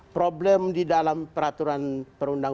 problem di dalam peraturan perundangan